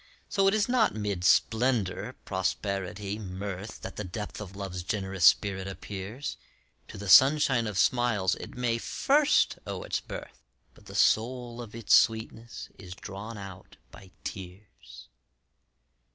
So it is not mid splendor, prosperity, mirth, That the depth of Love's generous spirit appears; To the sunshine of smiles it may first owe its birth, But the soul of its sweetness is drawn out by tears.